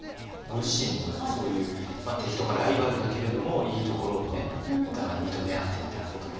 ご自身もやっぱりそういう敵とかライバルだけれどもいいところをねお互いに認め合ってみたいなことってありますか？